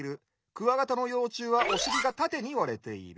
クワガタのようちゅうはおしりがたてにわれている」。